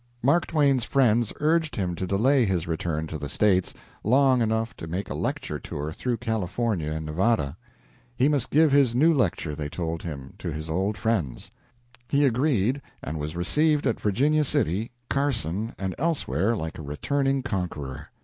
Mark Twain's friends urged him to delay his return to "the States" long enough to make a lecture tour through California and Nevada. He must give his new lecture, they told him, to his old friends. He agreed, and was received at Virginia City, Carson, and elsewhere like a returning conqueror.